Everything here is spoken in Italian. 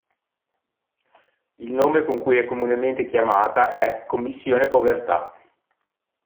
Il nome con cui è comunemente chiamata è "commissione povertà".